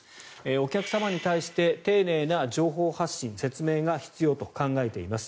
お客様に対して丁寧な情報発信説明が必要と考えています。